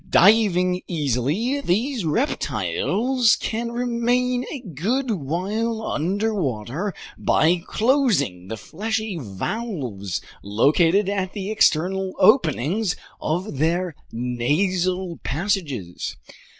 Diving easily, these reptiles can remain a good while underwater by closing the fleshy valves located at the external openings of their nasal passages.